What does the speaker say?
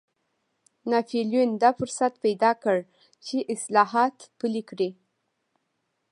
ناپلیون دا فرصت پیدا کړ چې اصلاحات پلي کړي.